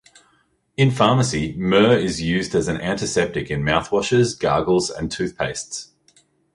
In pharmacy, myrrh is used as an antiseptic in mouthwashes, gargles, and toothpastes.